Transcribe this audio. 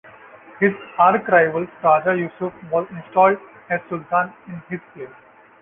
His arch-rival Raja Yusuf was installed as Sultan in his place.